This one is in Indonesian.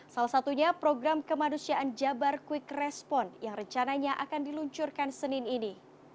salah satunya program kemanusiaan jabar quick respon yang rencananya akan diluncurkan senin ini